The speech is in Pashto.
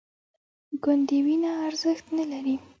ګوندې وینه ارزښت نه لري